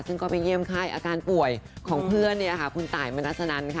ซึ่งก็ไปเยี่ยมค่ายอาการป่วยของเพื่อนคุณตายมนัสนันค่ะ